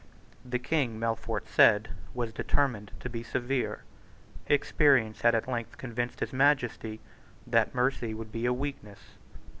The King, Melfort said, was determined to be severe. Experience had at length convinced his Majesty that mercy would be weakness.